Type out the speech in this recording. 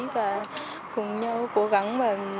và cùng nhau cố gắng